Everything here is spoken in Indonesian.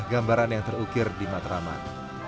itulah gambaran yang terukir di matramat